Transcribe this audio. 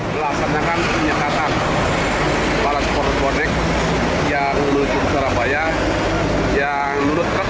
belasannya kan punya kata para supporter bonek yang menuju sarabaya yang menurut truk